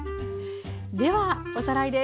ではおさらいです。